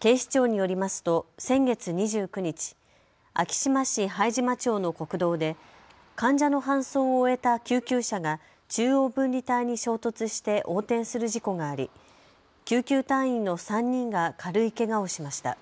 警視庁によりますと先月２９日、昭島市拝島町の国道で患者の搬送を終えた救急車が中央分離帯に衝突して横転する事故があり救急隊員の３人が軽いけがをしました。